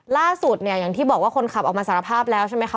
ล่าสุดเนี่ยอย่างที่บอกว่าคนขับออกมาสารภาพแล้วใช่ไหมคะ